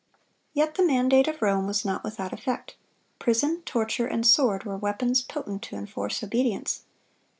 (192) Yet the mandate of Rome was not without effect. Prison, torture, and sword were weapons potent to enforce obedience.